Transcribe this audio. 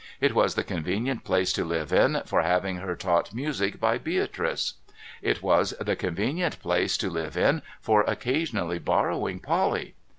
It was the con venient place to live in, for having her taught music by Beatrice. It was the convenient place to live in, for occasionally borrowing Polly.